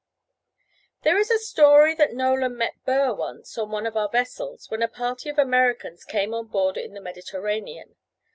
There is a story that Nolan met Burr once on one of our vessels, when a party of Americans came on board in the Mediterranean.